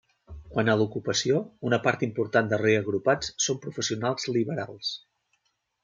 Quant a l'ocupació, una part important de reagrupats són professionals liberals.